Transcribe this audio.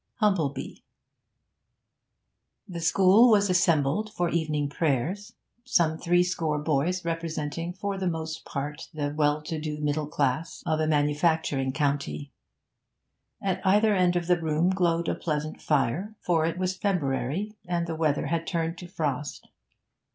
HUMPLEBEE The school was assembled for evening prayers, some threescore boys representing for the most part the well to do middle class of a manufacturing county. At either end of the room glowed a pleasant fire, for it was February and the weather had turned to frost.